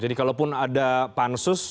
jadi kalau pun ada pansus